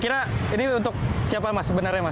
kira ini untuk siapa mas sebenarnya mas